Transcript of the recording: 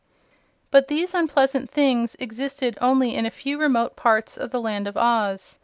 But these unpleasant things existed only in a few remote parts of the Land of Oz.